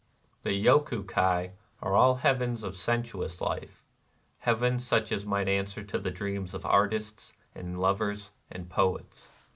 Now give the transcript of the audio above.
The Yoku Kai are all heavens of sensuous life, — heavens such as might answer to the dreams of artists and lovers and poets.